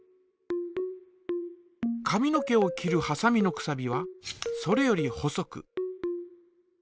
髪の毛を切るはさみのくさびはそれより細く。